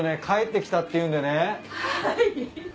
「帰ってきた」っていうんでね。